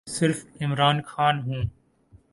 صرف عمران خان ہوں۔